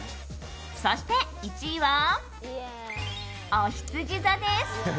そして１位は、おひつじ座です。